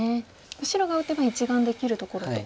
白が打てば１眼できるところと。